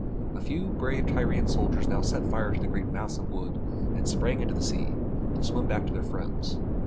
A few brave Tyrian sailors now set fire to the great mass of wood and sprang into the sea, to swim back to their friends.